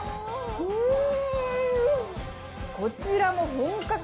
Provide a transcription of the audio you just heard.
うん！